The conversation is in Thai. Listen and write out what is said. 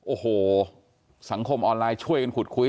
โอ้โหสังคมออนไลน์ช่วยกันขุดคุย